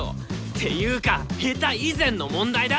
ていうか下手以前の問題だ！